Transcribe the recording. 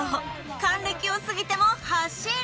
還暦を過ぎても走る！